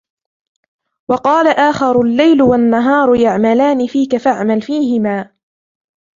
وَقَالَ آخَرُ اللَّيْلُ وَالنَّهَارُ يَعْمَلَانِ فِيك فَاعْمَلْ فِيهِمَا